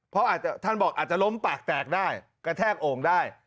เพราะท่านบอกอาจจะล้มปากแตกได้กระแทกองค์ได้